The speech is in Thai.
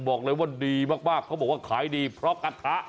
บอกเลยว่าดีมากเขาบอกว่าขายดีเพราะกระทะ